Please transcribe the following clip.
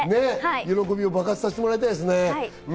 喜びを爆発させてもらいたいですね。